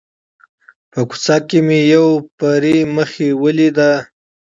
په کوڅه کې مې یوې پري مخې ولیده.